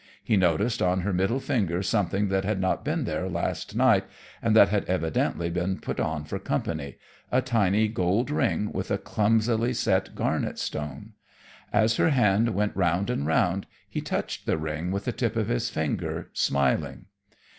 He noticed on her middle finger something that had not been there last night, and that had evidently been put on for company: a tiny gold ring with a clumsily set garnet stone. As her hand went round and round he touched the ring with the tip of his finger, smiling.